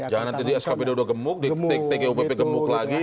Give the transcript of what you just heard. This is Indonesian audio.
jangan nanti skpd sudah gemuk tgupp gemuk lagi